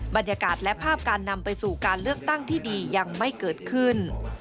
บรรยากาศและภาพการนำไปสู่การเลือกตั้งที่ดียังไม่เกิดขึ้น